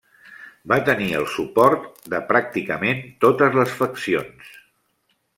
Va tenir el suport de pràcticament totes les faccions.